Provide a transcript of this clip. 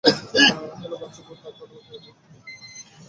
Hello, বাচ্চা, good luck, - ধন্যবাদ, জলি জি।